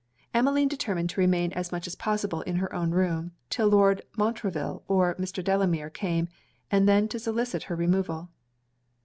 Emmeline determined to remain as much as possible in her own room, 'till Lord Montreville or Mr. Delamere came, and then to solicit her removal.